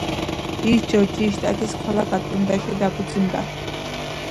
ის ჯორჯიის შტატის ქალაქ ატლანტაში დაფუძნდა.